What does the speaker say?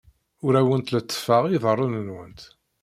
Ur awent-lettfeɣ iḍarren-nwent.